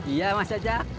iya mas sajak